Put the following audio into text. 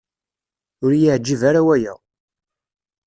Ur iyi-yeɛjib ara waya.